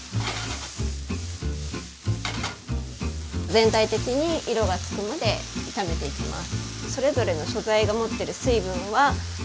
全体的に色がつくまで炒めていきます。